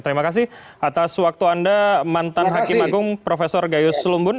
terima kasih atas waktu anda mantan hakim agung prof gayus lumbun